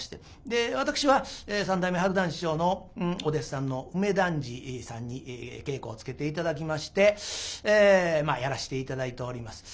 私は三代目春団治師匠のお弟子さんの梅団治さんに稽古をつけて頂きましてやらして頂いております。